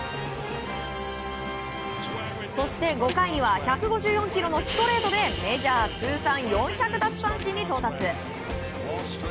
そして５回には１５４キロのストレートでメジャー通算４００奪三振に到達。